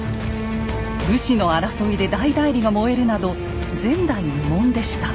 武士の争いで大内裏が燃えるなど前代未聞でした。